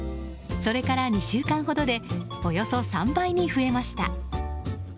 それから２週間ほどでおよそ３倍に増えました。